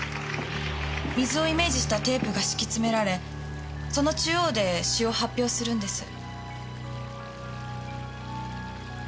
水をイメージしたテープが敷きつめられその中央で詩を発表するんです。